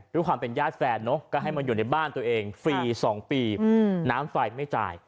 ด้วยความเป็นญาติแฟนเนอะก็ให้มาอยู่ในบ้านตัวเองฟรี๒ปีน้ำไฟไม่จ่าย